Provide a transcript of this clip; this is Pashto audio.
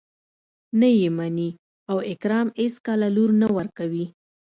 نه يې مني او اکرم اېڅکله لور نه ورکوي.